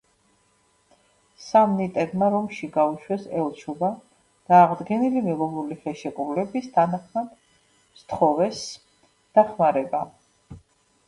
სამნიტებმა რომში გაუშვეს ელჩობა, და აღდგენილი მეგობრული ხელშეკრულების თანახმად სთხოვეს დახმარება.